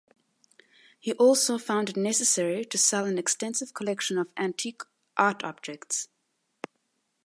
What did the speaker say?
He also found it necessary to sell an extensive collection of antique art objects.